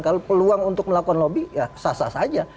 kalau peluang untuk melakukan lobby ya sasah saja